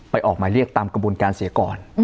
ออกหมายเรียกตามกระบวนการเสียก่อน